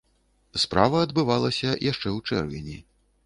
Справа адбылася яшчэ ў чэрвені.